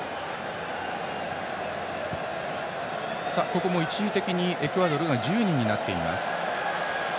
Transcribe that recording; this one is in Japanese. ここは一時的にエクアドルが１０人になっています。